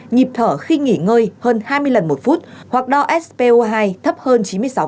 nhịp thở khi nghỉ ngơi hơn hai mươi lần một phút hoặc đo spo hai thấp hơn chín mươi sáu